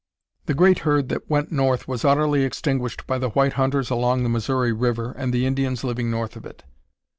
The great herd that "went north" was utterly extinguished by the white hunters along the Missouri River and the Indians living north of it.